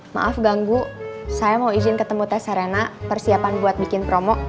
maaf ganggu saya mau izin ketemu tes arena persiapan buat bikin promo